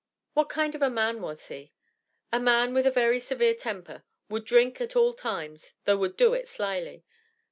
"What kind of a man was he?" "A man with a very severe temper; would drink at all times, though would do it slyly."